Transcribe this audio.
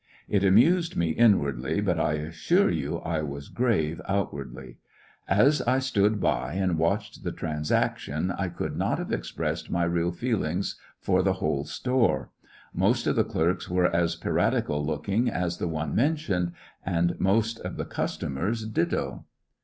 It amused me inwardly, but I assure yon I was grave out wardly. As I stood by and watched the transaction, I would not have earpressed my real feelings for the whole store. Most of the clerks are as piraticaMooking as the one mentioned^ and most of the customers ditto.